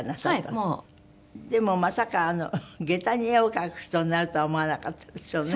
でもまさか下駄に絵を描く人になるとは思わなかったでしょうね。